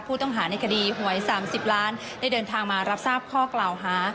ผู้ต้องหาในคดีหวย๓๐ล้านได้เดินทางมารับทราบข้อกล่าวหา